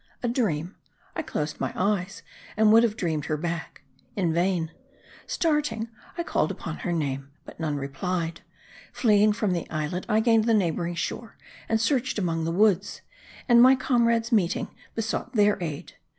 A dream. I closed my eyes, and would M A R D I. 229 have dreamed her back. In vain. Starting, I called upon her name ; but none replied. Fleeing from the islet, I gained the neighboring shore, and searched among the woods ; and my comrades meeting, besought their aid.